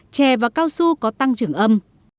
chè và cao su có tăng trưởng âm